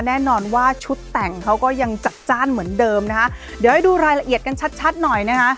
แน่นอนว่าชุดแต่งเขาก็ยังจัดจ้านเหมือนเดิมนะคะเดี๋ยวให้ดูรายละเอียดกันชัดชัดหน่อยนะคะ